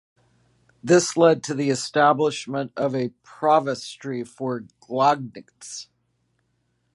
This led to the establishment of a provostry for Gloggnitz.